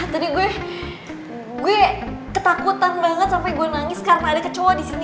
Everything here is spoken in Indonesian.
tadi gue ketakutan banget sampe gue nangis karena ada kecoa disini